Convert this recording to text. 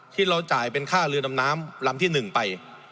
ที่เราจ่ายเป็นค่าเรือดำน้ำลำที่๑ไป